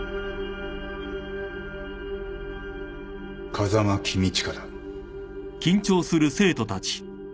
風間公親だ。